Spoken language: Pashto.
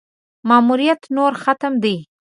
ماموریت نور ختم دی.